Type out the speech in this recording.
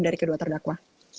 dari kedua terdakwa